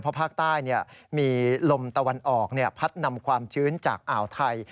เพราะภาคใต้มีลมตะวันออกพัดนำความชื้นจากอ่าวไทย